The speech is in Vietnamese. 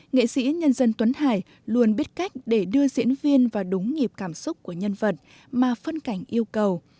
nghệ sĩ nhân dân tuấn hải luôn biết cách để đưa diễn viên vào đúng nghiệp cảm xúc của nhân vật mà phân cảnh yêu cầu